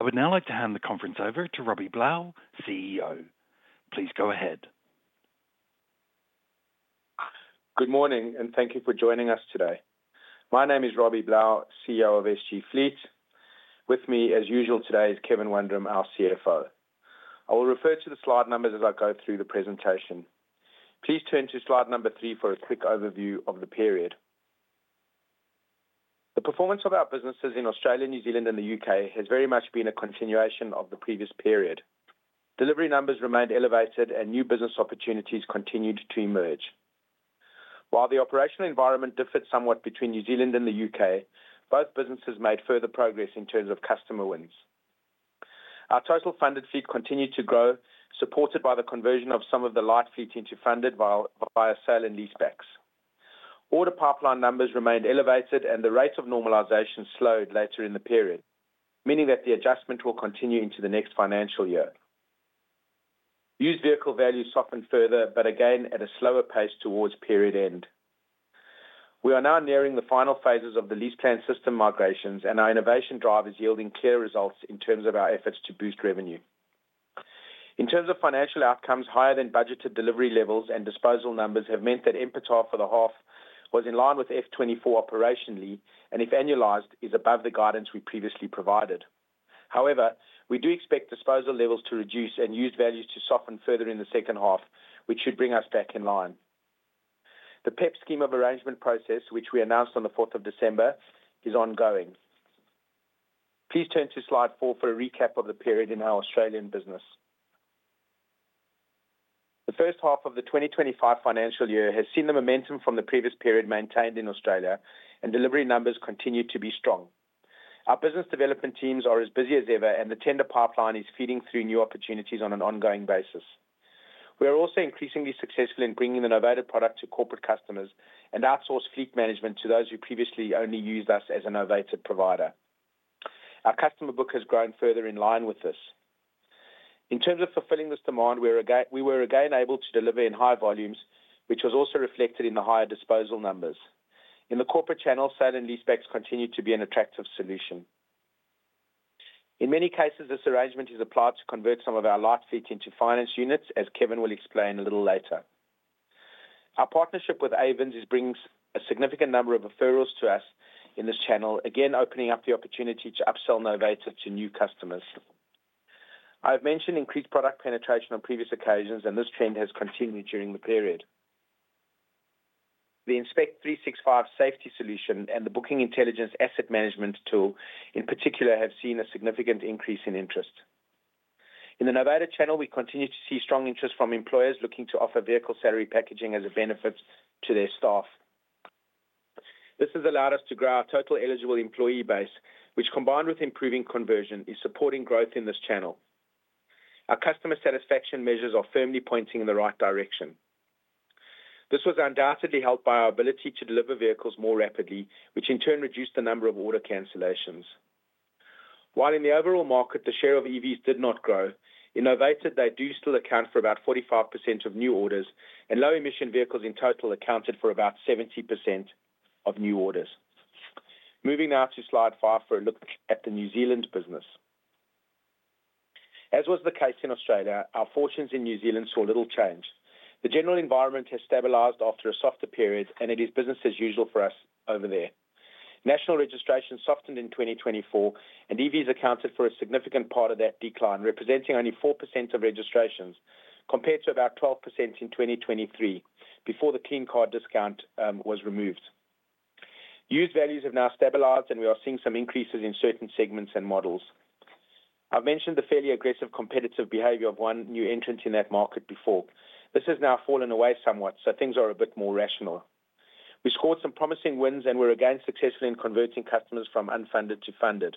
I would now like to hand the conference over to Robbie Blau, CEO. Please go ahead. Good morning, and thank you for joining us today. My name is Robbie Blau, CEO of SG Fleet. With me, as usual today, is Kevin Wundram, our CFO. I will refer to the slide numbers as I go through the presentation. Please turn to slide number three for a quick overview of the period. The performance of our businesses in Australia, New Zealand, and the U.K. has very much been a continuation of the previous period. Delivery numbers remained elevated, and new business opportunities continued to emerge. While the operational environment differed somewhat between New Zealand and the U.K., both businesses made further progress in terms of customer wins. Our total funded fleet continued to grow, supported by the conversion of some of the light fleet into funded via sale and leasebacks. Order pipeline numbers remained elevated, and the rate of normalization slowed later in the period, meaning that the adjustment will continue into the next financial year. Used vehicle value softened further, but again at a slower pace towards period end. We are now nearing the final phases of the LeasePlan system migrations, and our novation drive is yielding clear results in terms of our efforts to boost revenue. In terms of financial outcomes, higher than budgeted delivery levels and disposal numbers have meant that EBITDA for the half was in line with FY 2024 operationally, and if annualized, is above the guidance we previously provided. However, we do expect disposal levels to reduce and used values to soften further in the second half, which should bring us back in line. The PEP scheme of arrangement process, which we announced on the 4th of December, is ongoing. Please turn to slide four for a recap of the period in our Australian business. The first half of the 2025 financial year has seen the momentum from the previous period maintained in Australia, and delivery numbers continue to be strong. Our business development teams are as busy as ever, and the tender pipeline is feeding through new opportunities on an ongoing basis. We are also increasingly successful in bringing the novated product to corporate customers and outsource fleet management to those who previously only used us as a novated provider. Our customer book has grown further in line with this. In terms of fulfilling this demand, we were again able to deliver in high volumes, which was also reflected in the higher disposal numbers. In the corporate channel, sale and leasebacks continue to be an attractive solution. In many cases, this arrangement is applied to convert some of our light fleet into finance units, as Kevin will explain a little later. Our partnership with Ayvens is bringing a significant number of referrals to us in this channel, again opening up the opportunity to upsell novated to new customers. I have mentioned increased product penetration on previous occasions, and this trend has continued during the period. The Inspect365 safety solution and the Bookingintelligence asset management tool, in particular, have seen a significant increase in interest. In the novated channel, we continue to see strong interest from employers looking to offer vehicle salary packaging as a benefit to their staff. This has allowed us to grow our total eligible employee base, which, combined with improving conversion, is supporting growth in this channel. Our customer satisfaction measures are firmly pointing in the right direction. This was undoubtedly helped by our ability to deliver vehicles more rapidly, which in turn reduced the number of order cancellations. While in the overall market, the share of EVs did not grow, in novated, they do still account for about 45% of new orders, and low emission vehicles in total accounted for about 70% of new orders. Moving now to slide five for a look at the New Zealand business. As was the case in Australia, our fortunes in New Zealand saw little change. The general environment has stabilized after a softer period, and it is business as usual for us over there. National registrations softened in 2024, and EVs accounted for a significant part of that decline, representing only 4% of registrations compared to about 12% in 2023 before the Clean Car Discount was removed. Used values have now stabilized, and we are seeing some increases in certain segments and models. I've mentioned the fairly aggressive competitive behavior of one new entrant in that market before. This has now fallen away somewhat, so things are a bit more rational. We scored some promising wins, and we're again successful in converting customers from unfunded to funded.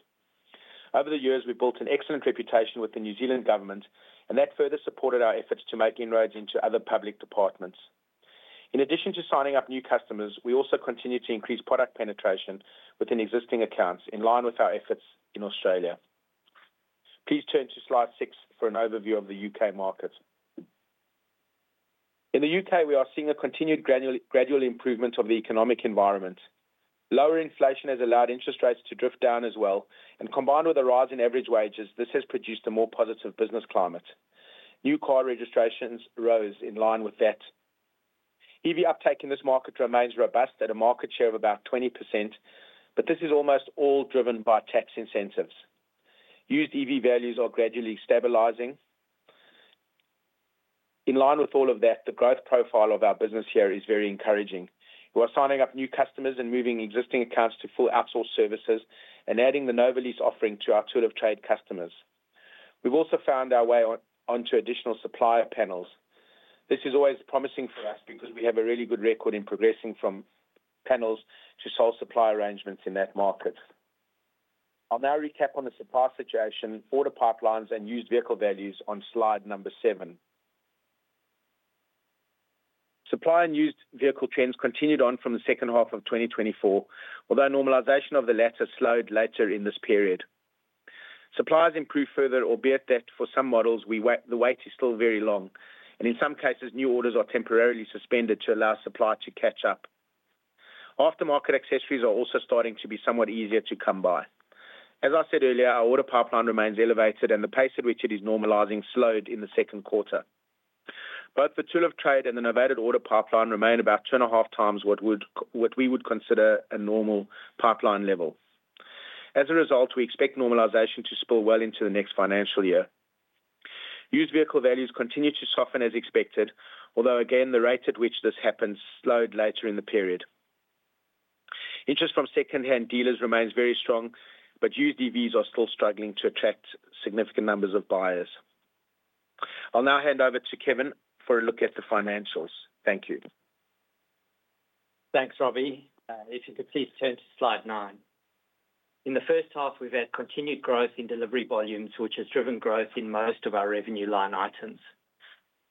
Over the years, we built an excellent reputation with the New Zealand government, and that further supported our efforts to make inroads into other public departments. In addition to signing up new customers, we also continue to increase product penetration within existing accounts in line with our efforts in Australia. Please turn to slide six for an overview of the U.K. market. In the U.K., we are seeing a continued gradual improvement of the economic environment. Lower inflation has allowed interest rates to drift down as well, and combined with a rise in average wages, this has produced a more positive business climate. New car registrations rose in line with that. EV uptake in this market remains robust at a market share of about 20%, but this is almost all driven by tax incentives. Used EV values are gradually stabilizing. In line with all of that, the growth profile of our business here is very encouraging. We are signing up new customers and moving existing accounts to full outsource services and adding the NovaLease offering to our tool of Trade customers. We've also found our way onto additional supplier panels. This is always promising for us because we have a really good record in progressing from panels to sole supply arrangements in that market. I'll now recap on the supply situation, order pipelines, and used vehicle values on slide number seven. Supply and used vehicle trends continued on from the second half of 2024, although normalization of the latter slowed later in this period. Suppliers improved further, albeit that for some models, the wait is still very long, and in some cases, new orders are temporarily suspended to allow supply to catch up. Aftermarket accessories are also starting to be somewhat easier to come by. As I said earlier, our order pipeline remains elevated, and the pace at which it is normalizing slowed in the second quarter. Both the tool of trade and the novated order pipeline remain about two and a half times what we would consider a normal pipeline level. As a result, we expect normalization to spill well into the next financial year. Used vehicle values continue to soften as expected, although again, the rate at which this happens slowed later in the period. Interest from secondhand dealers remains very strong, but used EVs are still struggling to attract significant numbers of buyers. I'll now hand over to Kevin for a look at the financials. Thank you. Thanks, Robbie. If you could please turn to slide nine. In the first half, we've had continued growth in delivery volumes, which has driven growth in most of our revenue line items.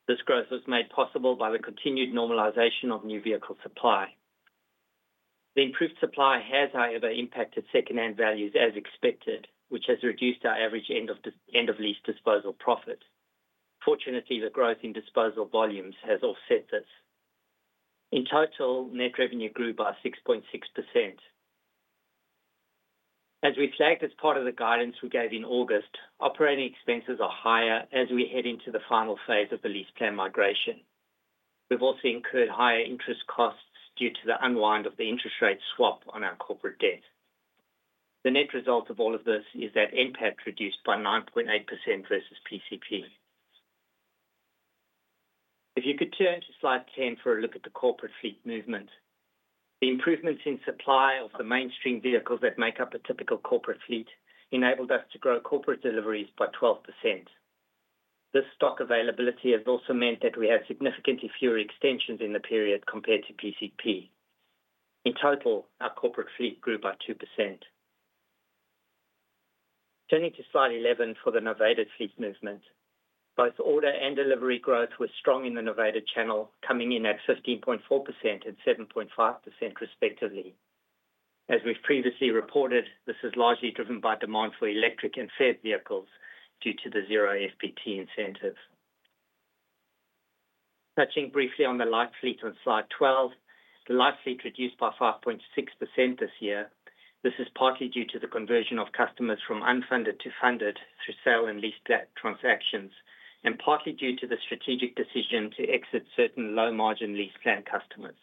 This growth was made possible by the continued normalization of new vehicle supply. The improved supply has, however, impacted secondhand values as expected, which has reduced our average end-of-lease disposal profit. Fortunately, the growth in disposal volumes has offset this. In total, net revenue grew by 6.6%. As we flagged as part of the guidance we gave in August, operating expenses are higher as we head into the final phase of the LeasePlan migration. We've also incurred higher interest costs due to the unwind of the interest rate swap on our corporate debt. The net result of all of this is that NPAT reduced by 9.8% versus PCP. If you could turn to slide 10 for a look at the corporate fleet movement, the improvements in supply of the mainstream vehicles that make up a typical corporate fleet enabled us to grow corporate deliveries by 12%. This stock availability has also meant that we had significantly fewer extensions in the period compared to PCP. In total, our corporate fleet grew by 2%. Turning to slide 11 for the novated fleet movement, both order and delivery growth were strong in the novated channel, coming in at 15.4% and 7.5% respectively. As we've previously reported, this is largely driven by demand for electric and EV vehicles due to the zero FBT incentive. Touching briefly on the light fleet on slide 12, the light fleet reduced by 5.6% this year. This is partly due to the conversion of customers from unfunded to funded through sale and lease-back transactions, and partly due to the strategic decision to exit certain low-margin LeasePlan customers.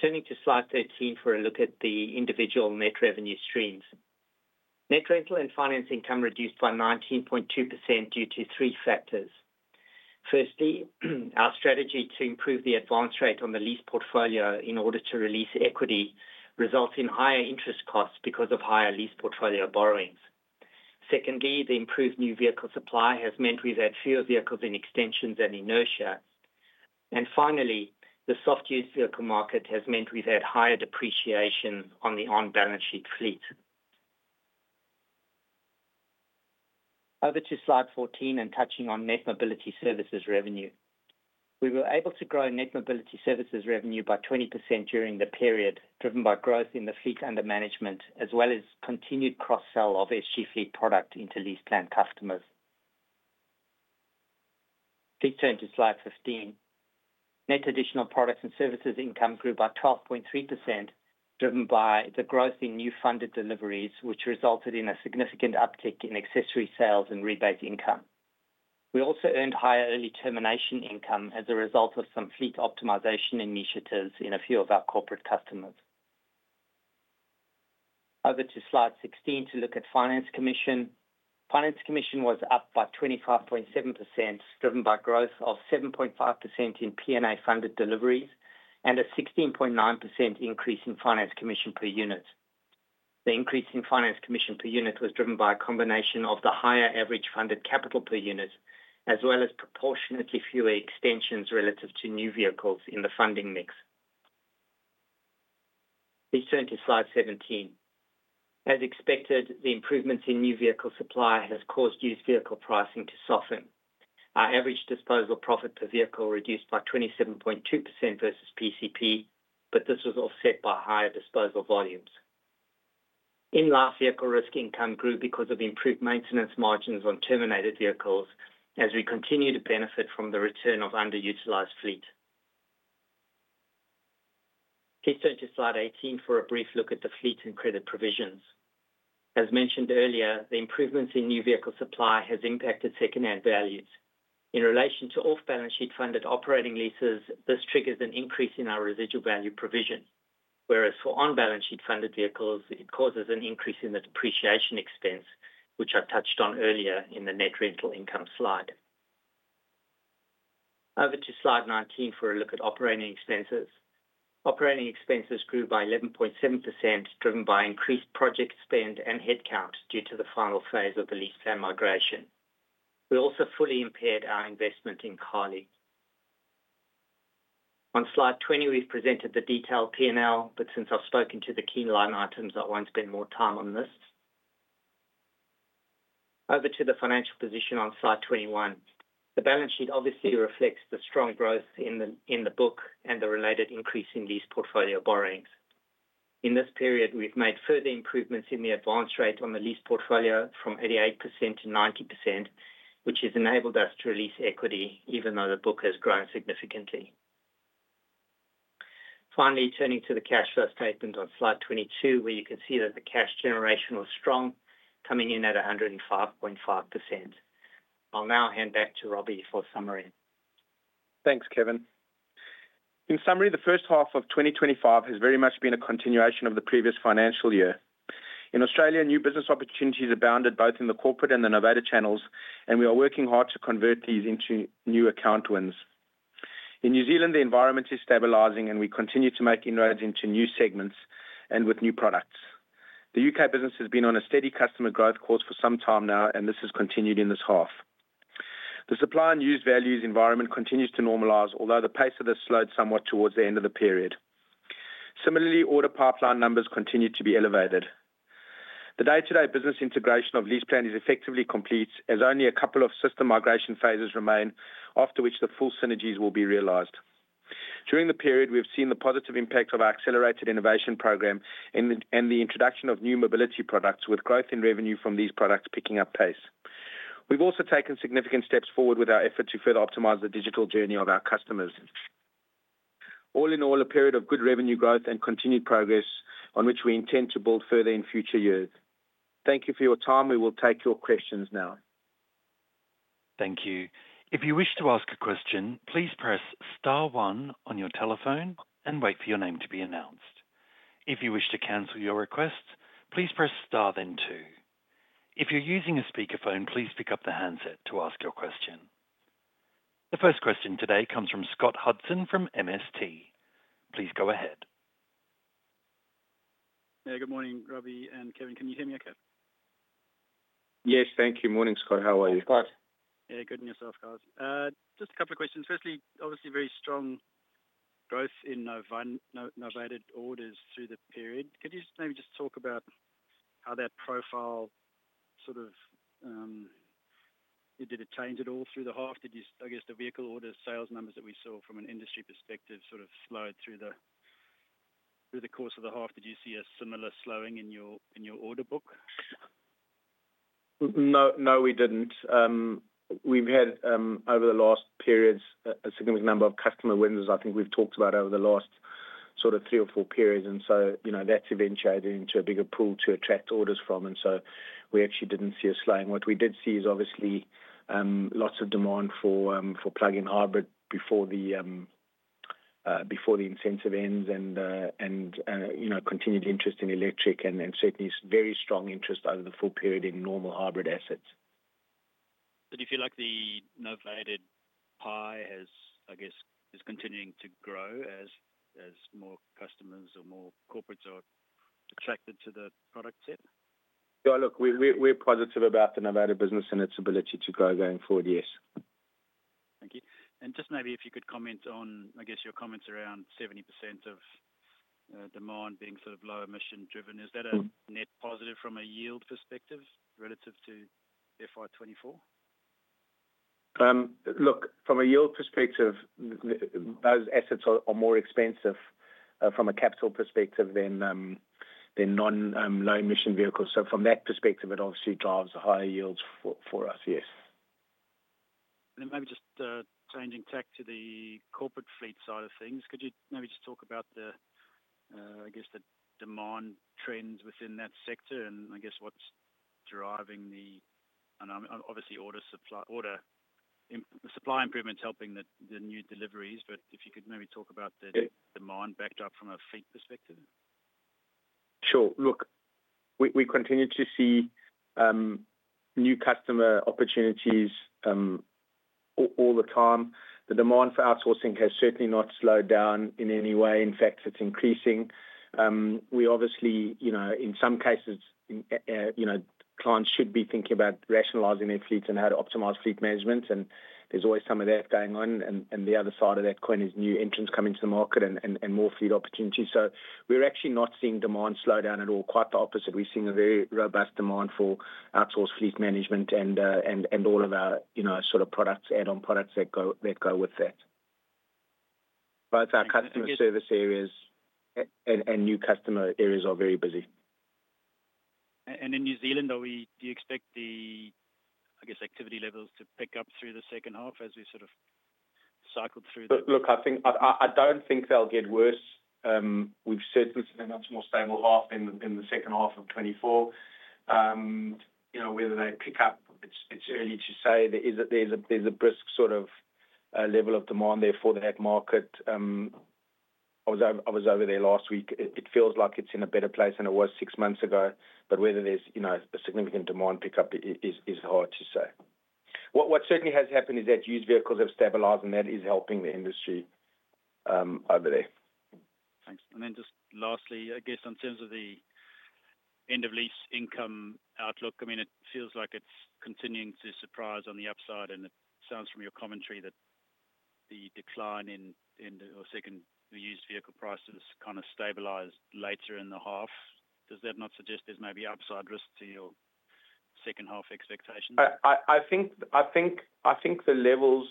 Turning to slide 13 for a look at the individual net revenue streams. Net rental and finance income reduced by 19.2% due to three factors. Firstly, our strategy to improve the advance rate on the lease portfolio in order to release equity results in higher interest costs because of higher lease portfolio borrowings. Secondly, the improved new vehicle supply has meant we've had fewer vehicles in extensions and inertia. And finally, the soft used vehicle market has meant we've had higher depreciation on the on-balance sheet fleet. Over to slide 14 and touching on net mobility services revenue. We were able to grow net mobility services revenue by 20% during the period, driven by growth in the fleet under management, as well as continued cross-sell of SG Fleet product into LeasePlan customers. Please turn to slide 15. Net additional products and services income grew by 12.3%, driven by the growth in new funded deliveries, which resulted in a significant uptick in accessory sales and rebate income. We also earned higher early termination income as a result of some fleet optimization initiatives in a few of our corporate customers. Over to slide 16 to look at finance commission. Finance commission was up by 25.7%, driven by growth of 7.5% in P&A funded deliveries and a 16.9% increase in finance commission per unit. The increase in finance commission per unit was driven by a combination of the higher average funded capital per unit, as well as proportionately fewer extensions relative to new vehicles in the funding mix. Please turn to slide 17. As expected, the improvements in new vehicle supply have caused used vehicle pricing to soften. Our average disposal profit per vehicle reduced by 27.2% versus PCP, but this was offset by higher disposal volumes. In last year, corporate risk income grew because of improved maintenance margins on terminated vehicles, as we continue to benefit from the return of underutilized fleet. Please turn to slide 18 for a brief look at the fleet and credit provisions. As mentioned earlier, the improvements in new vehicle supply have impacted secondhand values. In relation to off-balance sheet funded operating leases, this triggers an increase in our residual value provision, whereas for on-balance sheet funded vehicles, it causes an increase in the depreciation expense, which I've touched on earlier in the net rental income slide. Over to slide 19 for a look at operating expenses. Operating expenses grew by 11.7%, driven by increased project spend and headcount due to the final phase of the LeasePlan migration. We also fully impaired our investment in Carly. On slide 20, we've presented the detailed P&L, but since I've spoken to the key line items, I won't spend more time on this. Over to the financial position on slide 21. The balance sheet obviously reflects the strong growth in the book and the related increase in lease portfolio borrowings. In this period, we've made further improvements in the advance rate on the lease portfolio from 88% to 90%, which has enabled us to release equity, even though the book has grown significantly. Finally, turning to the cash flow statement on slide 22, where you can see that the cash generation was strong, coming in at 105.5%. I'll now hand back to Robbie for summary. Thanks, Kevin. In summary, the first half of 2025 has very much been a continuation of the previous financial year. In Australia, new business opportunities are abounded both in the corporate and the novated channels, and we are working hard to convert these into new account wins. In New Zealand, the environment is stabilizing, and we continue to make inroads into new segments and with new products. The U.K. business has been on a steady customer growth course for some time now, and this has continued in this half. The supply and used values environment continues to normalize, although the pace of this slowed somewhat towards the end of the period. Similarly, order pipeline numbers continue to be elevated. The day-to-day business integration of LeasePlan is effectively complete, as only a couple of system migration phases remain, after which the full synergies will be realized. During the period, we have seen the positive impact of our accelerated innovation program and the introduction of new mobility products, with growth in revenue from these products picking up pace. We've also taken significant steps forward with our effort to further optimize the digital journey of our customers. All in all, a period of good revenue growth and continued progress on which we intend to build further in future years. Thank you for your time. We will take your questions now. Thank you. If you wish to ask a question, please press star one on your telephone and wait for your name to be announced. If you wish to cancel your request, please press star then two. If you're using a speakerphone, please pick up the handset to ask your question. The first question today comes from Scott Hudson from MST. Please go ahead. Yeah, good morning, Robbie and Kevin. Can you hear me okay? Yes, thank you. Morning, Scott. How are you? Good, thanks. Yeah, good and yourself, guys. Just a couple of questions. Firstly, obviously very strong growth in novated orders through the period. Could you just maybe just talk about how that profile sort of, did it change at all through the half? Did you, I guess, the vehicle order sales numbers that we saw from an industry perspective sort of slowed through the course of the half? Did you see a similar slowing in your order book? No, we didn't. We've had, over the last periods, a significant number of customer wins as I think we've talked about over the last sort of three or four periods, and so that's eventuated into a bigger pool to attract orders from, and so we actually didn't see a slowing. What we did see is obviously lots of demand for plug-in hybrid before the incentive ends and continued interest in electric and certainly very strong interest over the full period in normal hybrid assets. So do you feel like the novated pie has, I guess, is continuing to grow as more customers or more corporates are attracted to the product set? Yeah, look, we're positive about the novated business and its ability to grow going forward, yes. Thank you. And just maybe if you could comment on, I guess, your comments around 70% of demand being sort of low emission driven, is that a net positive from a yield perspective relative to FY 2024? Look, from a yield perspective, those assets are more expensive from a capital perspective than non-low emission vehicles. So from that perspective, it obviously drives higher yields for us, yes. And then, maybe just changing tack to the corporate fleet side of things, could you maybe just talk about the, I guess, the demand trends within that sector? And I guess what's driving the, obviously, order supply improvements helping the new deliveries, but if you could maybe talk about the demand backed up from a fleet perspective. Sure. Look, we continue to see new customer opportunities all the time. The demand for outsourcing has certainly not slowed down in any way. In fact, it's increasing. We obviously, in some cases, clients should be thinking about rationalizing their fleets and how to optimize fleet management. And there's always some of that going on. And the other side of that coin is new entrants coming to the market and more fleet opportunities. So we're actually not seeing demand slow down at all. Quite the opposite. We're seeing a very robust demand for outsourced fleet management and all of our sort of products, add-on products that go with that. Both our customer service areas and new customer areas are very busy. In New Zealand, do you expect the, I guess, activity levels to pick up through the second half as we sort of cycled through? Look, I don't think they'll get worse. We've certainly seen a much more stable half in the second half of 2024. Whether they pick up, it's early to say. There's a brisk sort of level of demand there for that market. I was over there last week. It feels like it's in a better place than it was six months ago, but whether there's a significant demand pickup is hard to say. What certainly has happened is that used vehicles have stabilized, and that is helping the industry over there. Thanks. And then just lastly, I guess in terms of the end-of-lease income outlook, I mean, it feels like it's continuing to surprise on the upside. And it sounds from your commentary that the decline in your second used vehicle prices kind of stabilized later in the half. Does that not suggest there's maybe upside risk to your second half expectations? I think the levels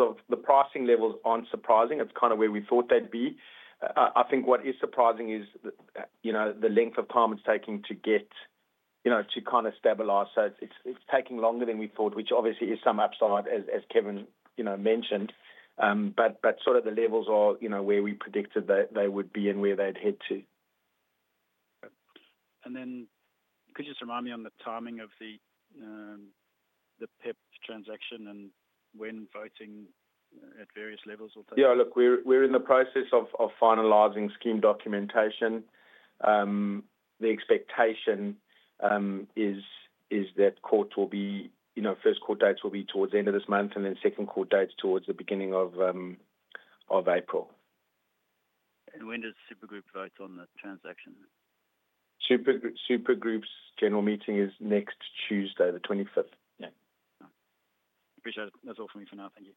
of the pricing levels aren't surprising. It's kind of where we thought they'd be. I think what is surprising is the length of time it's taking to get to kind of stabilize. So it's taking longer than we thought, which obviously is some upside, as Kevin mentioned, but sort of the levels are where we predicted they would be and where they'd head to. Could you just remind me on the timing of the PEP transaction and when voting at various levels or things? Yeah, look, we're in the process of finalizing scheme documentation. The expectation is that first court dates will be towards the end of this month, and then second court dates towards the beginning of April. When does the Super Group vote on the transaction? Super Group's general meeting is next Tuesday, the 25th. Yeah. Appreciate it. That's all from me for now. Thank you.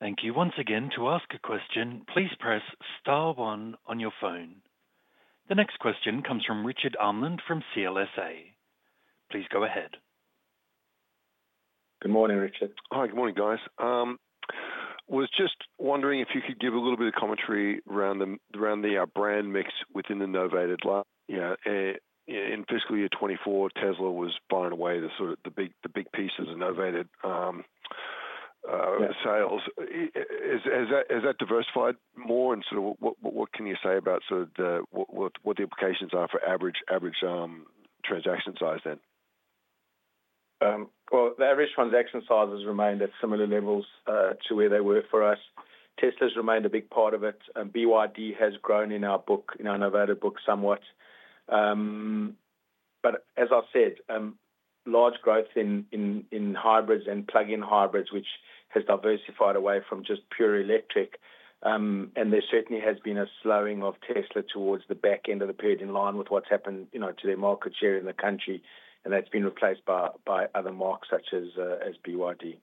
Thank you. Once again, to ask a question, please press star one on your phone. The next question comes from Richard Amlin from CLSA. Please go ahead. Good morning, Richard. Hi, good morning, guys. I was just wondering if you could give a little bit of commentary around the brand mix within the novated. In fiscal year 2024, Tesla was taking away the big pieces of novated sales. Has that diversified more? And sort of what can you say about sort of what the implications are for average transaction size then? The average transaction sizes remained at similar levels to where they were for us. Tesla has remained a big part of it. BYD has grown in our book, in our novated lease book somewhat. As I said, large growth in hybrids and plug-in hybrids, which has diversified away from just pure electric. There certainly has been a slowing of Tesla towards the back end of the period in line with what's happened to their market share in the country. That's been replaced by other makes such as BYD.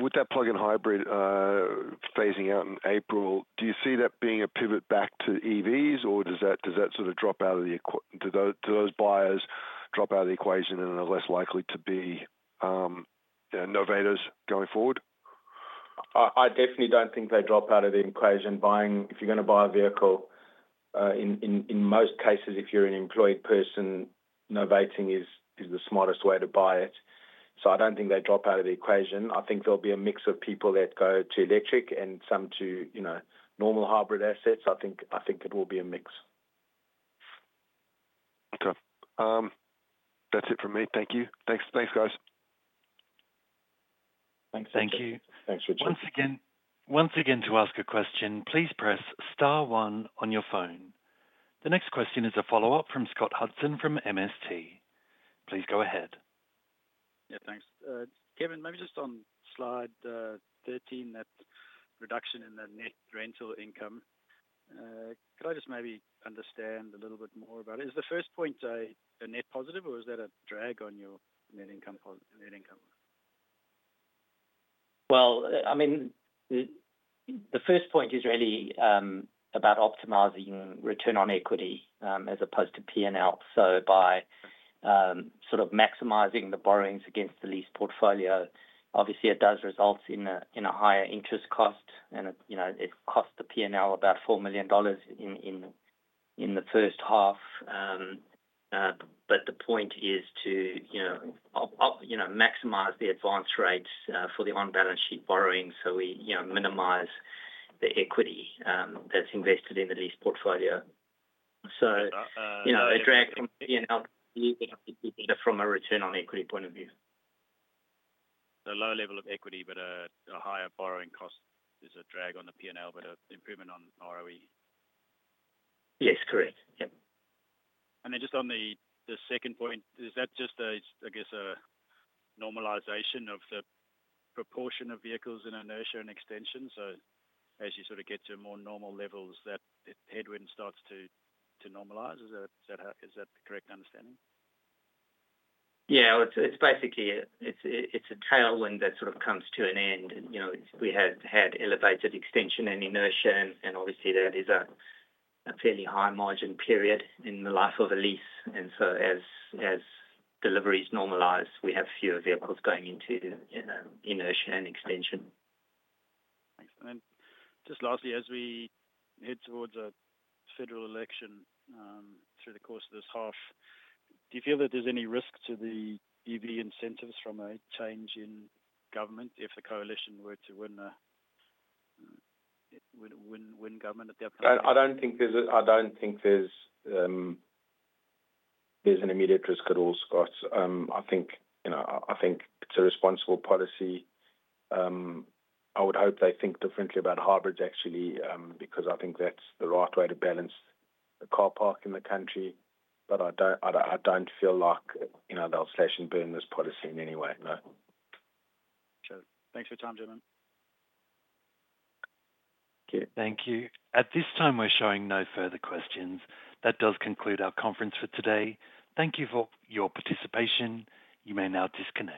With that plug-in hybrid phasing out in April, do you see that being a pivot back to EVs, or does that sort of drop out of the equation and do those buyers drop out of the equation and are less likely to be novators going forward? I definitely don't think they drop out of the equation. If you're going to buy a vehicle, in most cases, if you're an employed person, novating is the smartest way to buy it. So I don't think they drop out of the equation. I think there'll be a mix of people that go to electric and some to normal hybrid assets. I think it will be a mix. Okay. That's it from me. Thank you. Thanks, guys. Thanks. Thank you. Thanks, Richard. Once again, to ask a question, please press star one on your phone. The next question is a follow-up from Scott Hudson from MST. Please go ahead. Yeah, thanks. Kevin, maybe just on slide 13, that reduction in the net rental income. Could I just maybe understand a little bit more about it? Is the first point a net positive, or is that a drag on your net income? Well, I mean, the first point is really about optimizing return on equity as opposed to P&L. So by sort of maximizing the borrowings against the lease portfolio, obviously, it does result in a higher interest cost. And it cost the P&L about 4 million dollars in the first half. But the point is to maximize the advance rates for the on-balance sheet borrowing so we minimize the equity that's invested in the lease portfolio. So a drag from P&L from a return on equity point of view. So low level of equity, but a higher borrowing cost is a drag on the P&L, but an improvement on ROE. Yes, correct. Yeah. And then just on the second point, is that just, I guess, a normalization of the proportion of vehicles in inertia and extension? So as you sort of get to more normal levels, that headwind starts to normalize? Is that the correct understanding? Yeah. It's basically a tailwind that sort of comes to an end. We had elevated extension and inertia, and obviously, that is a fairly high margin period in the life of a lease. And so as deliveries normalize, we have fewer vehicles going into inertia and extension. Thanks, and then just lastly, as we head towards a federal election through the course of this half, do you feel that there's any risk to the EV incentives from a change in government if the Coalition were to win government at the upcoming? I don't think there's an immediate risk at all, Scott. I think it's a responsible policy. I would hope they think differently about hybrids, actually, because I think that's the right way to balance the car park in the country. But I don't feel like they'll slash and burn this policy in any way, no. Sure. Thanks for your time, gentlemen. Thank you. Thank you. At this time, we're showing no further questions. That does conclude our conference for today. Thank you for your participation. You may now disconnect.